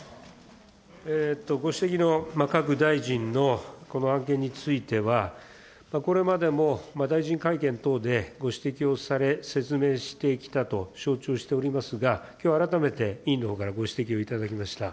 ご指摘の各大臣のこの案件については、これまでも大臣会見等でご指摘をされ、説明してきたと承知をしておりますが、きょう改めて、委員のほうからご指摘を頂きました。